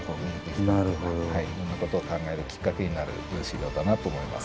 いろんなことを考えるきっかけになる資料だなと思います。